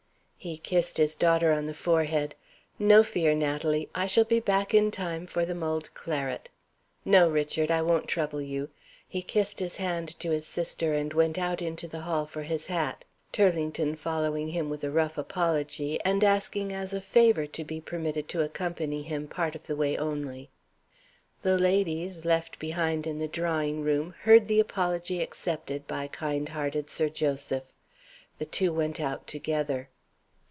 He kissed his daughter on the forehead. "No fear, Natalie. I shall be back in time for the mulled claret. No, Richard, I won't trouble you." He kissed his hand to his sister and went out into the hall for his hat: Turlington following him with a rough apology, and asking as a favor to be permitted to accompany him part of the way only. The ladies, left behind in the drawing room, heard the apology accepted by kind hearted Sir Joseph. The two went out together.